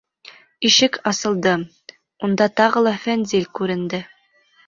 Ишек асылды, унда тағы ла Фәнзил күренде.